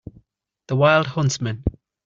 The wild huntsman.